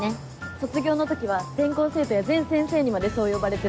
卒業の時は全校生徒や全先生にまでそう呼ばれてた。